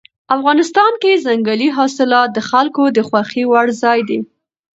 افغانستان کې ځنګلي حاصلات د خلکو د خوښې وړ ځای دی.